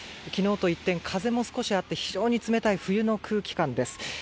昨日と一転、風も少しあって非常に冷たい冬の空気感です。